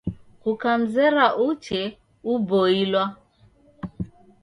Kukamzera uchee uboilwa.